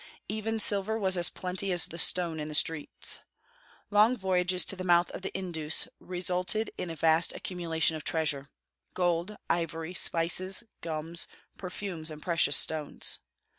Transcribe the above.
Even silver was as plenty as the stones in the streets. Long voyages to the mouth of the Indus resulted in a vast accumulation of treasure, gold, ivory, spices, gums, perfumes, and precious stones.